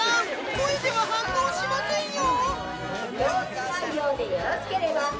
声では反応しませんよ